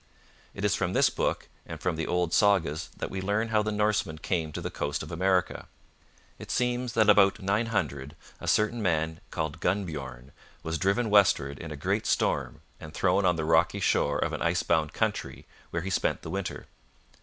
It is from this book and from the old sagas that we learn how the Norsemen came to the coast of America. It seems that about 900 a certain man called Gunnbjorn was driven westward in a great storm and thrown on the rocky shore of an ice bound country, where he spent the winter.